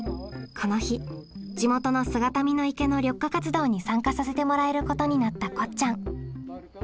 この日地元の姿見の池の緑化活動に参加させてもらえることになったこっちゃん。